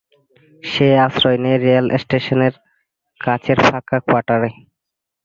সে আশ্রয় নেয় রেলস্টেশনের কাছের ফাঁকা কোয়ার্টারে।